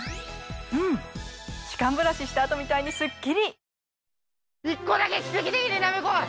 うん歯間ブラシした後みたいにすっきり！